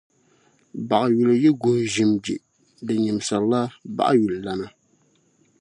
Baɣayuli yi guhi ʒim je, di nyimsirila baɣayulilana.